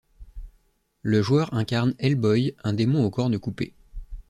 Le joueur incarne Hellboy, un démon aux cornes coupées.